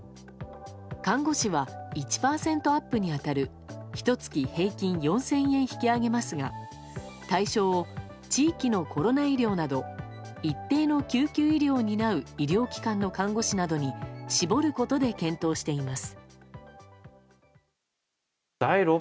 看護師は１％アップに当たるひと月平均４０００円引き上げますが対象を地域のコロナ医療など一定の救急医療を担う医療機関の看護師などに絞ることで検討しています。